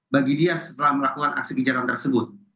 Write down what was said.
bagi dia setelah melakukan aksi kejahatan tersebut